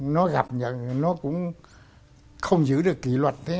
nó gặp nhận nó cũng không giữ được kỷ luật thế